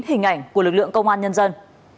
hình ảnh của lực lượng công an nhân dân